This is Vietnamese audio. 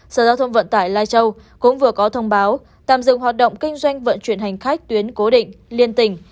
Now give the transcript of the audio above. sở giao thông vận tải lai châu cũng vừa có thông báo tạm dừng hoạt động kinh doanh vận chuyển hành khách tuyến cố định liên tỉnh